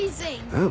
うん？